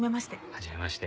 はじめまして。